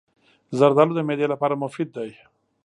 زردالو د معدې لپاره مفید دی.